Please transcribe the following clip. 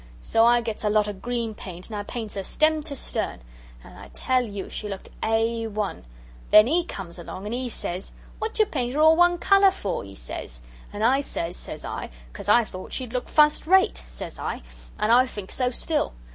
So I gets a lotter green paint and I paints her stem to stern, and I tell yer she looked A1. Then 'E comes along and 'e says, 'Wot yer paint 'er all one colour for?' 'e says. And I says, says I, 'Cause I thought she'd look fust rate,' says I, 'and I think so still.'